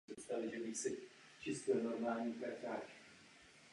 Jsou to stromy se zpeřenými listy a žlutými květy v bohatých květenstvích.